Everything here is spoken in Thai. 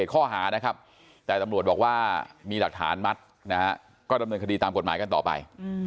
ก็ดำเนินคดีตามกฎหมายกันต่อไป